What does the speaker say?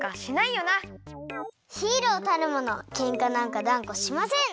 ヒーローたるものケンカなんかだんこしません！